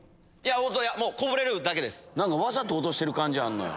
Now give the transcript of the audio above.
わざと落としてる感じあんのよ。